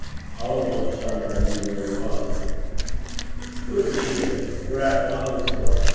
All at once Shargar knew where he was. 'Guid be here! we're at Donal's door!